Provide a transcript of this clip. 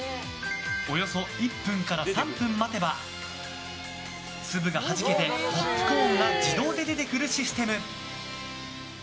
およそ１分から３分待てば粒がはじけて、ポップコーンが自動で出てくるシステム。